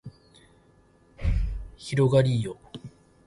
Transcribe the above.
広がりーよ